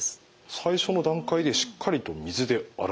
最初の段階でしっかりと水で洗う。